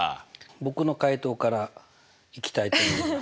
僕の解答からいきたいと思います。